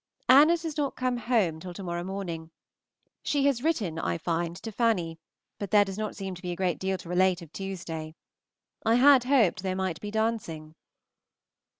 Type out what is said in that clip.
Anna does not come home till to morrow morning. She has written I find to Fanny, but there does not seem to be a great deal to relate of Tuesday. I had hoped there might be dancing.